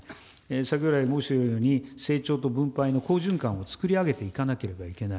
先ほど来申し上げているように、成長と分配の好循環を作り上げていかなければいけない。